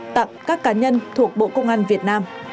tặng các cá nhân thuộc bộ công an việt nam